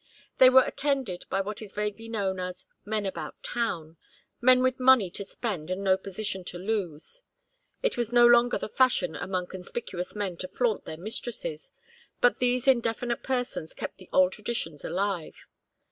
They were attended by what is vaguely known as "men about town," men with money to spend and no position to lose. It was no longer the fashion among conspicuous men to flaunt their mistresses, but these indefinite persons kept the old traditions alive.